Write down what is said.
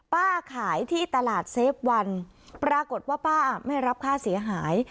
ขายที่ตลาดเซฟวันปรากฏว่าป้าไม่รับค่าเสียหาย